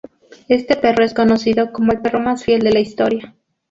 Este perro es conocido como el perro más fiel de la historia.